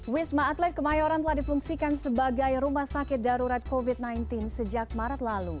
wisma atlet kemayoran telah difungsikan sebagai rumah sakit darurat covid sembilan belas sejak maret lalu